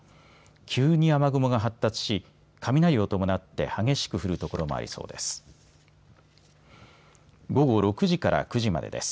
急に雨雲が発達し雷を伴って激しく降る所もありそうです。